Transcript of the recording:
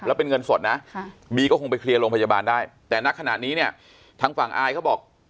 แล้วเป็นเงินสดนะบีก็คงไปเคลียร์โรงพยาบาลได้แต่ณขณะนี้เนี่ยทางฝั่งอายเขาบอก